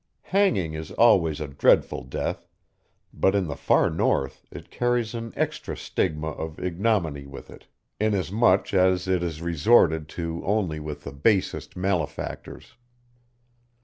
Hanging is always a dreadful death, but in the Far North it carries an extra stigma of ignominy with it, inasmuch as it is resorted to only with the basest malefactors.